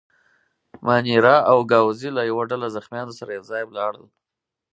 مانیرا او ګاووزي له یوه ډله زخیمانو سره یو ځای ولاړل.